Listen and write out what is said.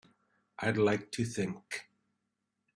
I'd like to think.